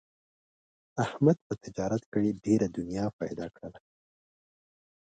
احمد په تجارت کې ډېره دنیا پیدا کړله.